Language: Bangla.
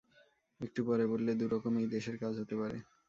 একটু পরে বললে, দুরকমেই দেশের কাজ হতে পারে।